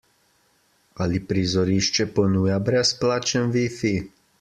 Ali prizorišče ponuja brezplačen Wi-Fi?